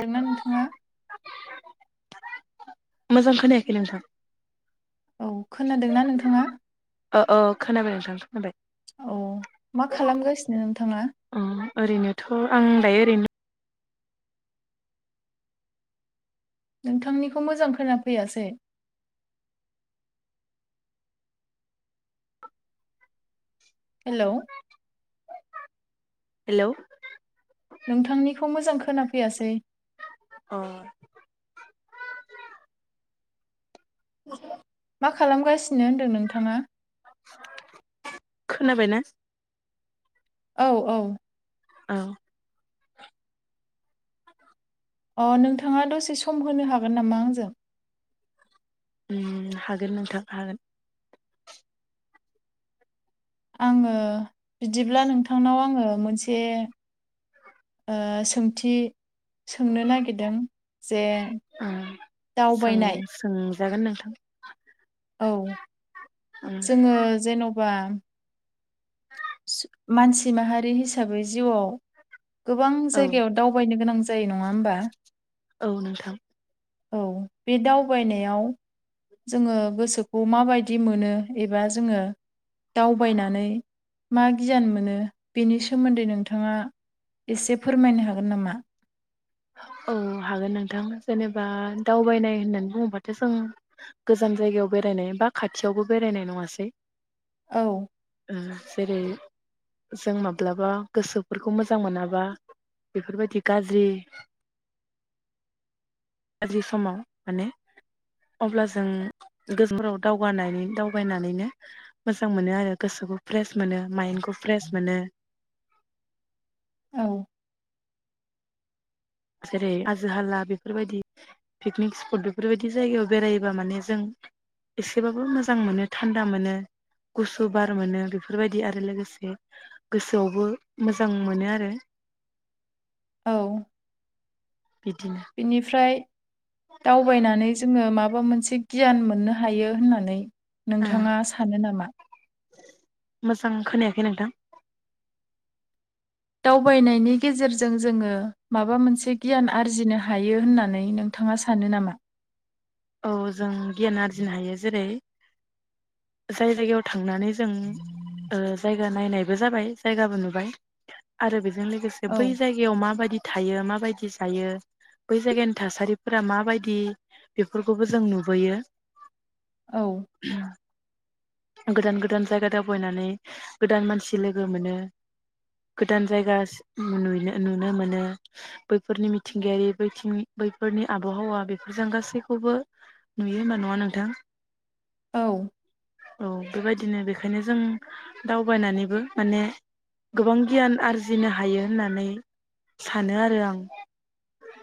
अना नोंथाङा। मोजां खोनायाखै नोंथां। औ खोनादोंना नोंथाङाष? ओ ओ [unintelligible] औ मा खालामगासिनो नोंथाङा? अ ओरैनोथ' [unintelligible] नोंथांनिखौ मोजां खोनाफैयासै। हेल'। हेल'। नोंथांनिखौ मोजां खोनाफैयासै। अ [inaudible] मा खालामगासिनो होनदों नोंथाङा? खोनाबाय ना? औ औ। औ। अ नोंथाङा दसे सम होनो हागोन नामा आंजों? हागोन नोंथां हागोन। आङो बिदिब्ला नोंथांनाव आङो मोनसे ओ सोंथि। सोंनो नागिरदों जे दावबायनाय। जागोन नोंथां। औ ओं जोङो जेन'। बा। मानसि माहारि हिसाबै जिउआव गोबां औ जायगायाव दावबायनो गोनां जायो नङा होमबा? औ नोंथां औ बे दावबायनायाव जोङो गोसोखौ माबायदि मोनो? एबा जोङो दावबायनानै मा गियान मोनो? बेनि सोमोन्दै नोंथाङा एसे फोरमायनो हागोन नामा? औ हागोन नोंथां, जेनेबा दावबायनाय होननानै बुङोबाथ' जों गोजान जायगायाव बेरायनाय बा खाथियावबो बेरायनाय नङासै। औ। जेरै जों माब्लाबा गोसोफोरखौ मोजां मोनाबा, बेफोरबायदि गाज्रि गाज्रि समाव माने, अब्ला जों गोसोफोराव दावबाय दावबानानैनो मोजां मोनो आरो। गोसोखौ फ्रेस मोनो माइन्दखौ फ्रेस मोनो। औ। जेरै हाजो हाला बेफोरबायदि पिकनिक स्पट बेफोरबायदि जायगायाव बेरायोबा माने जों। एसेबाबो मोजां मोनो थान्दा मोनो गुसु बार मोनो बेफोरबायदि आरो, लोगोसे गोसोआवबो मोजां मोनो आरो। औ। बिदिनो बेनिफ्राय दावबायनानै जोङो मा माबा मोनसे गियान मोननो हायो होननानै ओ नोंथाङा सानो नामा? मोजां खोनायाखै नोंथां। दावबायनायनि गेजेरजों जोङो, माबा मोनसे गियान आरजिनो हायो होननानै नोंथाङा सानो नामा? औ जों गियान आरजिनो हायो जेरै- जाय जायगायाव थांनानै- जों जाय- नायनायबो जाबाय जायगाबो नुबाय आरो बिदिनो लोगोसे औ बै जायगायाव माबाबायदि थायो माबायदि जायो बै जायगानि थासारिफोरा माबायदि बेफोरखौबो जों नुबोयो औ गोदान गोदान जायगा दावबायनानै गोदान मानसि लोगो मोनो गोदान जायगा नुनो नुनो मोनो बैफोरनि मिथिंगायारिथिं बैफोरनि आबहावा बेफोरजों गासैबो खौबो नुयो होनबा नङा नोंथां। औ औ बेबायदिनो बेखायनो जों दावबायनानैबो माने गोबां गियान आरजिनो हायो होननानै सानो आरो आं।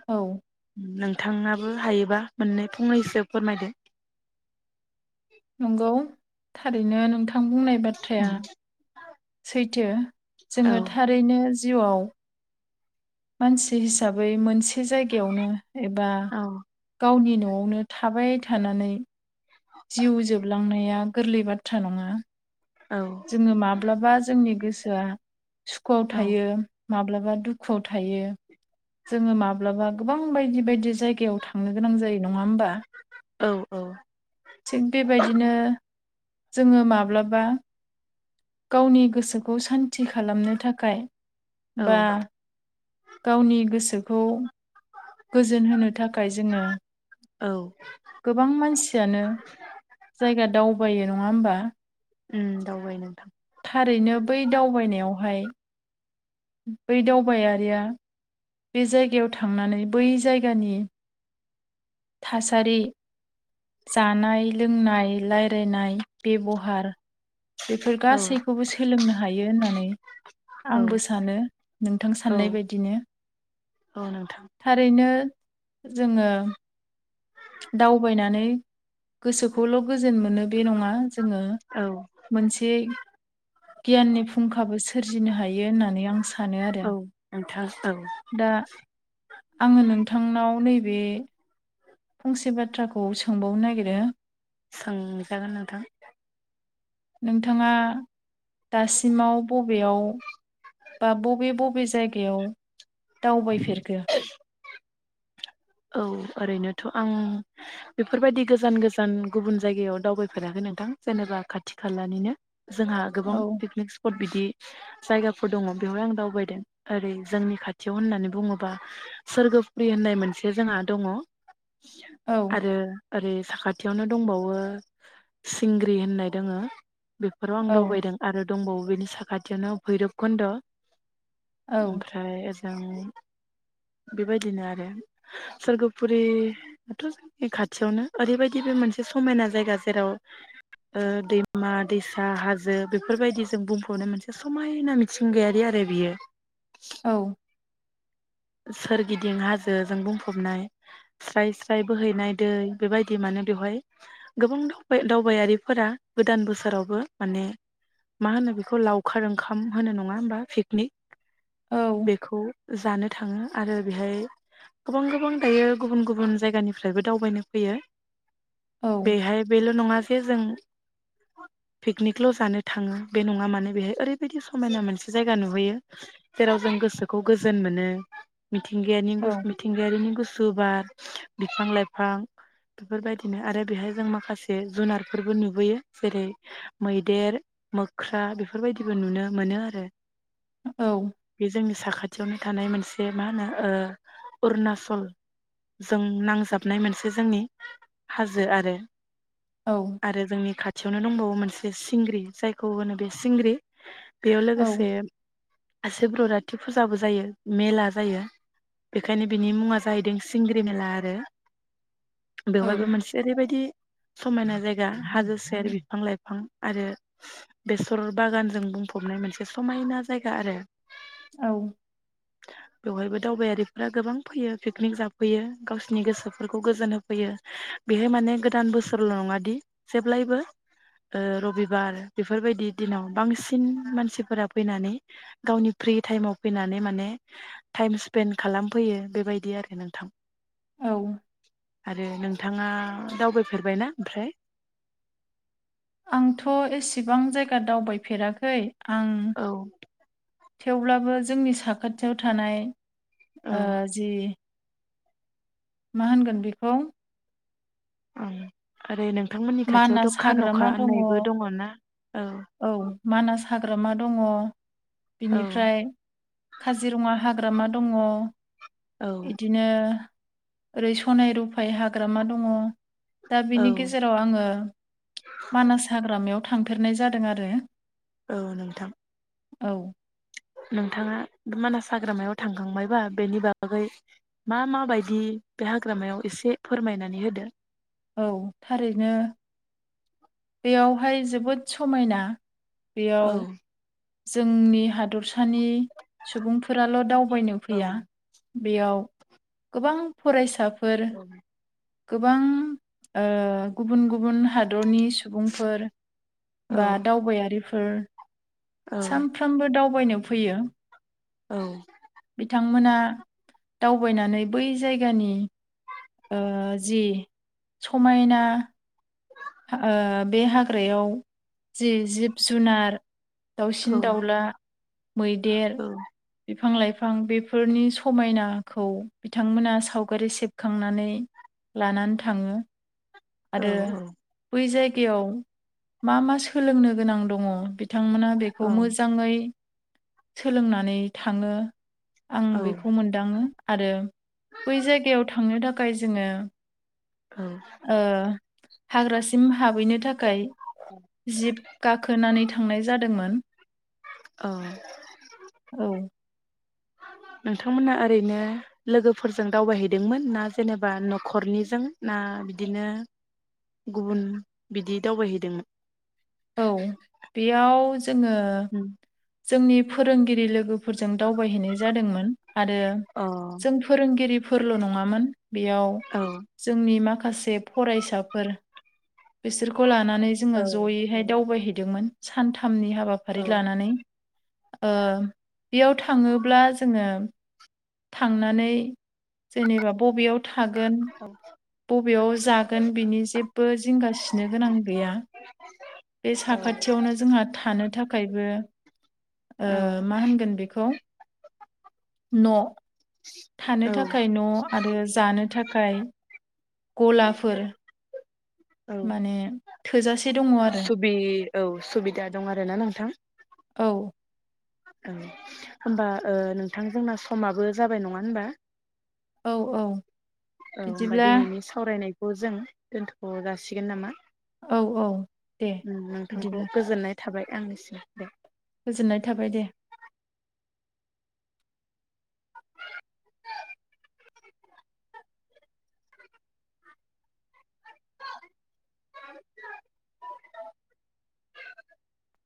औ नोंथांङाबो हायोबा मोननै फंनैसो फोरमायदो। नंगौ थारैनो नों आं बुंनाय बाथ्राया उम सैथो औ जोङो थारैनो जिउआव मानसि हिसाबै मोनसे जायगायावनो एबा औ गावनि न' न'आवनो थाबाय थानानै जिउ जोबलांनाया गोरलै बाथ्रा नङा औ जोङो माब्लाबा जोंनि गोसोआ सुखुआव औ थायो, माब्लाबा दुखुआव थायो, जोङो माब्लाबा गोबां बायदि बायदि जायगायाव थांनो गोनां जायो नङा होमबा? औ थिग बेबायदिनो जोङो माब्लाबा गावनि गोसो खौ सान्ति खालामनो थाखाय औ बा गावनि गोसोखौ गोजोन होनो थाखाय जोङो औ गोबां मानसियानो जायगा दावबायो। नङा होमबा? उम दावबाय नोंथां। थारैनो बै दावबायनायावहाय बै दावबायारिया बे जायगायाव थांनानै बै जायगानि थासारि, जानाय लोंनाय, रायलायनाय बेब'हार । बेफोर औ गासैखौबो सोलोंनो हायो होननानै औ आंबो सानो नोंथां औ साननाय बायदिनो। औ नोंथां थारैनो जोङो दावबायनानै गोसोखौल' गोजोन मोनो बे नङा, जोङो औ मोनसे गियाननि फुंखाबो सो सोरजिनो हायो। होननानै आं सानो आरो, औ नोंथां औ दा आङो नोंथांनाव नैबे बे फंसे बाथ्राखौ सोंबावनो नागिरो सोंजागोन नोंथां। नोंथाङा दासिमाव ब बेयाव बा बबे बबे जायगायाव दावबायफेरखो? औ ओरैनोथ' आं बेफोरबायदि गोजान गोजान गुबुन जायगायाव दावबायफेराखै नोंथां, जेनेबा खाथि खालानिनो जोंहा गोबां औ पिकनिक स्प'ट बिदि जायगाफोर दङ बेवहाय आं दावबायदों, ओरै जोंनि खाथियाव होननानै बुङोबा सोरगोफुरि होननाय मोनसे जोंहा दङ। औ आरो ओरै साखाथियावनो दंबावो, सिंग्रि होननाय दोङो। बेफोराव आं औ दावबायदों आरो दंबावो बेनि साखाथियावनो भैरब खुन्द'। औ ओमफ्राय ओज जों बेबायदिनो आरो सोरगोफुरियाथ' जोंनि खाथियावनो, ओरैबायदि बे मोनसे समायना जायगा जेराव दैमा दैसा, हाजो बेफोरबायदि जों बुंफबनो मोनसे समायना मिथिंगायारि आरो बियो। औ सोरगिदिं हाजो जों बुंफबनाय स्राय स्राय बोहैनाय दै बेबायदि मानो बेवहाय गोबां दाव-दावबायारिफोरा गोदान बोसोरावबो माने मा होनो बेखौ लावखार ओंखाम होनो नङा होमबा पिकनिक औ बेखौ जानो थाङो आरो बेहाय गोबां गोबां दायो गुबुन गुबुन जायगानिफ्रायबो दावबायनो फैयो । औ बेहाय बेल' नङा जे जों पिकनिकल' जानो थाङो बे नङा मानो बेहाय ओरैबायदि समायना मोनसे जायगा नुहैयो जेराव जों गोसोखौ गोजोन मोनो मिथिंगायनि औ मिथिंगायारिनि गुस बार बिफां लाइफां बेफोरबायदिनो आरो बेहाय जों माखासे जुनारफोरबो नुबोयो जेरै मैदेर मोख्रा बेफोरबायदिबो नुनो मोनो आरो । औ। साखाथियावनो थानाय मोनसे जे मा होनो ओ अरुनाचल जों नांजाबनाय मोनसे जोंनि हाजो आरो । आरो जोंनि खाथियावनो दंबावो मोन से सिंग्रि जायखौ होनो बे सिंग्रि बेयाव औ लोगोसे ओ सिब्रराथि फुजाबो जायो मेला जायो बेखायनो बिनि मुङा जाहैदों सिंग्रि मेला आरो । औ बेवहायबो मोनसे ओरैबायदि समायना जायगा हाजो सेर बिफां लाइफ बिफां आरो बेसर बागानजों बुंफबनाय मोनसे समायना जायगा आरो । औ बेवहायबो दावबायारिफोरा गोबां फैयो पिकनिक जाफैयो गावसिनि गोसोफोरखौ गोजोन होफैयो बेहाय माने गोदान बोसोरल' नङा दि जेब्लायबो ओ रबिबार बेफोरबायदि दिनाव बांसिन मानसिफोरा फैनानै गावनि फ्रि टाइमाव फैनानै माने टाइम स्पेन्ड खालामफैयो बेबायदि आरो नोंथां औ आरो नोंथाङा दावबायफेरबायना ओमफ्राय? आंथ' एसेबां जायगा दावबायफेराखै आं औ थेवब्लाबो जोंनि साखाथियाव थानाय औ ओ जि मा होनगोन बेखौ ओं आरो नों थांमोननि मानास खाथियावथ' खान'खा हाग्रामा दङ होननायबो औ दङ'ना औ मानास हाग्रामा दङ' । औ बिनिफ्राय काजिरङा हा ग्रामा दङ'। औ बिदिनो ओरै सनाय रुफाय हाग्रामा दङ' । दा औ बिनि गेजे आङो मानास हाग्रा मायाव थांफेरनाय जादों आरो औ नोंथां । औ नोंथाङा मानास हाग्रामायाव थांखांबायबा बेनि बागै मा माबायदि बे हाग्रामायाव एसे फोरमायनानै होदो । औ थारैनो बेयावहाय जोबोद समायना औ बेयाव जोंनि हादरसानि सुबुंफोराल' दाव बायनो औ फैया बेयाव गोबां फरायसाफ फोर औ गोबां ओ गुबुन गुबुन हादरनि सुबुंफोर बा औ दावबायारिफो फोर औ सानफ्रोमबो दाव बायनो फैयो औ बिथांमोना दावबायनानै बै जायगानि ओ जि समायना फा ओ बे हाग्रायाव जि जिब जुनार दाउसिन दाउला मैदेर औ बि बिफां लाइफां बेफोरनि समायनाखौ बिथांमोना सावगारि सेबखांनानै लानानै थाङो औ आरो बै जाय गियाव मा मा सोलोंनो गोनां दङ बिथांमोना औ बेखौ मोजाङै सोलोंनानै थाङो आं बेखौ औ मोनदाङो आरो बै जायगायाव थांनो थाखाय जोङो ओ हाग्रासिम हाबहैनो थाखाय जिब गाखोनानै थांनाय जादोंमोन औ औ नोंथांमोना ओरैनो लोगोफोरजों दावबायहैदोंमोन ना जेनेबा नखरनिजों ना बिदिनो गुबुन बिदि दावबायहैदोंमोन औ बेयाव जोङो अ जोंनि फोरोंगिरि लोगोफोर जों दावबायहैनाय जादोंमोन आरो जों फोरोंगिरि फोरल' नङामोन बेयाव औ जोंनि माखा माखासे फरायसाफोर बिसोरखौ लानानै जोङो औ जयैहाय दावबायहैदोंमोन सान खामनि हाबाफारि औ लानानै ओ बेयाव थाङोब्ला जोङो थांनानै जेनेबा बबेयाव थागोन बबेयाव जागोन बिनि जेबो जिंगासिनो गोनां गैया बे साखाथियावनो जोंहा थानो थाखायबो ओ औ मा होनगोन बेखौ [inaudible] न' थानो औ थाखाय न' आरो जानो थाखाय गलाफोर औ माने थोजासे दङ आरो सुबि औ सुबिदा दं आरोना नोंथां? औ औ होमबा ओ नोंथां जोंना समाबो जाबाय नङा होनबा? औ औ औ होनबा बिदिब्ला दिनैनि सावरायनाय खौ जों दोनथ' जासिगोन नामा? औ औ दे नोंथांखौ बिदिब्ला। गोजोननाय थाबाय आंनिसिम दे गोजोननाय थाबाय दे। [unintelligible]